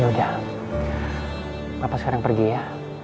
yaudah papa sekarang pergi ya